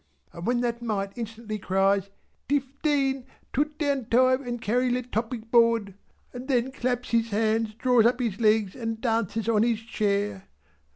and when that Mite instantly cries "Tifteen, tut down tive and carry ler 'toppin board" and then claps his hands draws up his legs and dances on his chair.